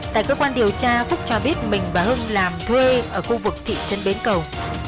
tại cơ quan điều tra phúc cho biết mình và hưng làm thuê ở khu vực thị trấn bến cầu